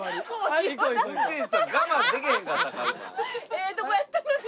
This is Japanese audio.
ええとこやったのに。